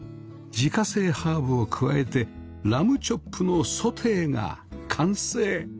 自家製ハーブを加えてラムチョップのソテーが完成